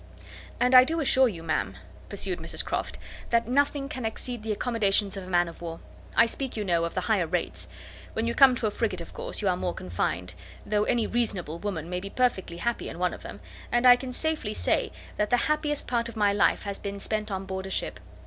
"And I do assure you, ma'am," pursued Mrs Croft, "that nothing can exceed the accommodations of a man of war; I speak, you know, of the higher rates. When you come to a frigate, of course, you are more confined; though any reasonable woman may be perfectly happy in one of them; and I can safely say, that the happiest part of my life has been spent on board a ship.